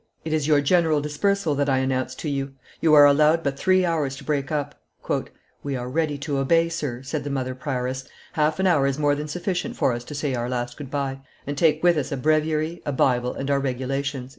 It is your general dispersal that I announce to you; you are allowed but three hours to break up." "We are ready to obey, sir," said the mother prioress; "half an hour is more than sufficient for us to say our last good by, and take with us a breviary, a Bible, and our regulations."